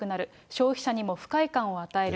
消費者にも不快感を与える。